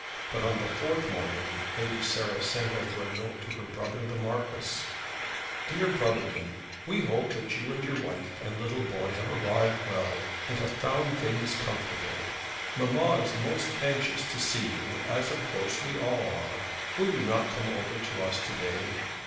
But on the fourth morning Lady Sarah sent over a note to her brother, the Marquis. "DEAR BROTHERTON, We hope that you and your wife and little boy have arrived well, and have found things comfortable. Mamma is most anxious to see you, as of course we all are. Will you not come over to us to day.